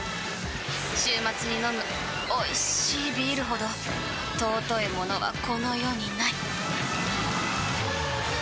週末に飲むおいしいビールほど尊いものはこの世にない！